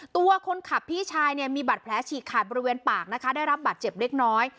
ตัวคนขับพี่ชายเนี่ยมีบัตรแผลฉีกขาดบริเวณปากนะคะได้รับบัตรเจ็บเล็กน้อย